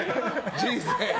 人生！